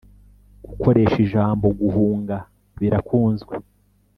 gukoresha ijambo guhunga birakunzwe